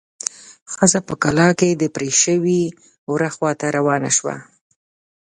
ښځه په کلا کې د پرې شوي وره خواته روانه شوه.